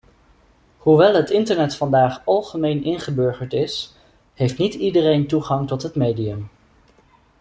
Hoewel het internet vandaag algemeen ingeburgerd is, heeft niet iedereen toegang tot het medium.